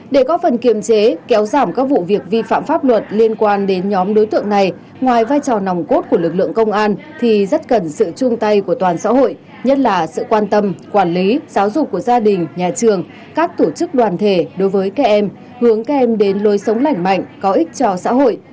để có phần kiềm chế kéo giảm các vụ việc vi phạm pháp luật liên quan đến nhóm đối tượng này ngoài vai trò nòng cốt của lực lượng công an thì rất cần sự chung tay của toàn xã hội nhất là sự quan tâm quản lý giáo dục của gia đình nhà trường các tổ chức đoàn thể đối với các em hướng các em đến lối sống lành mạnh có ích cho xã hội